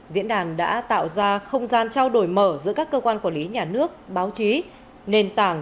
diễn đàn đã tạo ra không gian trao đổi mở giữa các cơ quan quản lý nhà nước báo chí nền tảng